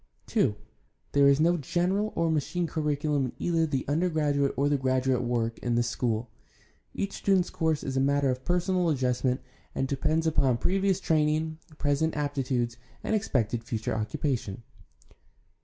II. There is no general or machine curriculum in either the under graduate or the graduate work in this School. Each student's course is a matter of personal adjustment and depends upon previ ous training, present aptitudes, and expected future occupation.